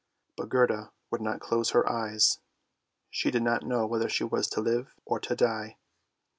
But Gerda would not close her eyes ; she did not know whether she was to live or to die.